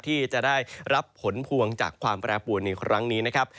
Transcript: ที่จะได้รับผลพวงจากความแปรปวนในครั้งนี้นะครับ